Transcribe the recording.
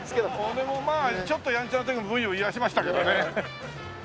俺もまあちょっとやんちゃな時はブイブイいわせましたけどね。